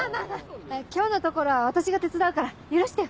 今日のところは私が手伝うから許してよ。